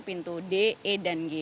pintu d e dan g